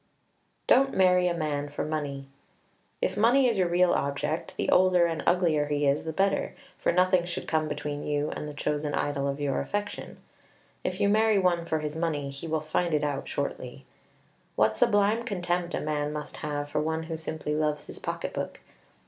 Don't marry a man for money. If money is your real object, the older and uglier he is, the better; for nothing should come between you and the chosen idol of your affection. If you marry one for his money, he will find it out shortly. What sublime contempt a man must have for one who simply loves his pocket book!